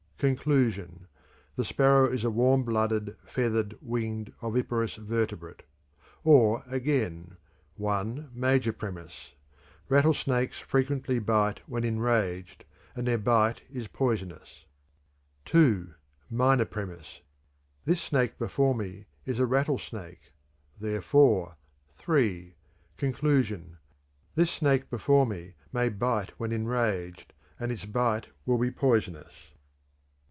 (Conclusion) The sparrow is a warm blooded, feathered, winged, oviparous vertebrate. Or, again: I. (Major premise) Rattlesnakes frequently bite when enraged, and their bite is poisonous. II. (Minor premise) This snake before me is a rattlesnake; therefore III. (Conclusion) This snake before me may bite when enraged, and its bite will be poisonous.